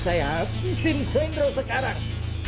sehat simsengro sekarang